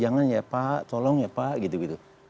jangan nama saya jangan ya pak tolong ya pak gitu gitu